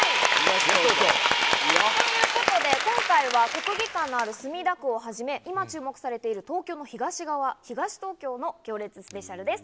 ということで、今回は、国技館のある墨田区をはじめ、今注目されている東京の東側、東東京の行列スペシャルです。